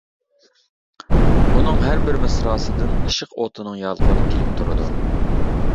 ئۇنىڭ ھەربىر مىسراسىدىن ئىشق ئوتىنىڭ يالقۇنى كېلىپ تۇرىدۇ.